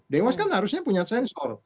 dewas kan harusnya punya sensor